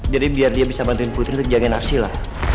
jadi biar dia bisa bantuin putri untuk jagain arsila